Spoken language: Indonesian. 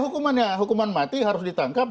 hukumannya hukuman mati harus ditangkap